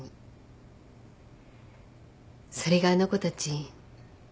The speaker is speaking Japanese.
それがあの子たち